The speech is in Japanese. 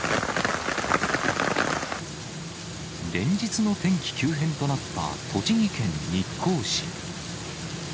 連日の天気急変となった栃木県日光市。